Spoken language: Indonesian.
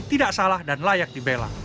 tidak salah dan layak dibela